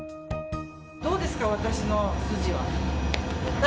どうですか、私の筋は。